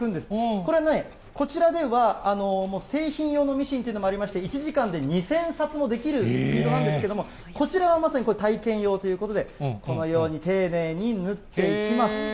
これね、こちらでは製品用のミシンというのもありまして、１時間で２０００冊ができるスピードなんですけれども、こちらはまさに体験用ということで、このように丁寧に縫っていきます。